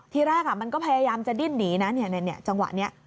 ทีแรกมันก็พยายามจะดิ้นหนีนะจังหวะนี้